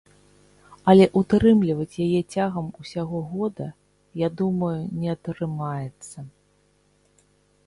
Але ўтрымліваць яе цягам усяго года, я думаю, не атрымаецца.